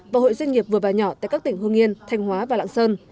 và hội doanh nghiệp vừa và nhỏ tại các tỉnh hương yên thanh hóa và lạng sơn